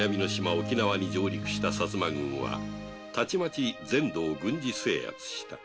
沖縄に上陸した薩摩軍はたちまち全土を軍事制圧した